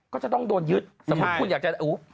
ก็จะต้องโดนยึดสมมุติคุณอยากจะ